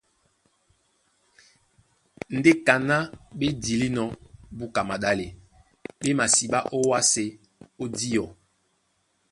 Ndé kaná ɓé dilínɔ̄ búka maɗále, ɓé masiɓá ówásē ó diɔ.